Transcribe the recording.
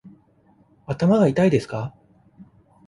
頭が痛いですか。